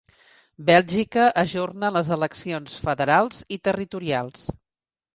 Bèlgica ajorna les eleccions federals i territorials